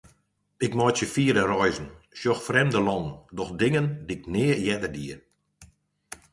Ik meitsje fiere reizen, sjoch frjemde lannen, doch dingen dy'k nea earder die.